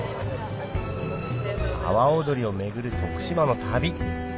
阿波おどりを巡る徳島の旅